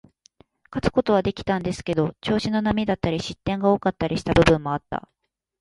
勝つことはできたんですけど、調子の波だったり、失点が多かったりした部分もあった。